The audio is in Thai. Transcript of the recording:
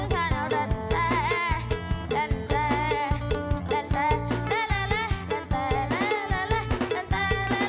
ข้าอุ่นแล้วนั่งเอาไอ้เจ้าเอียงข้าวหมด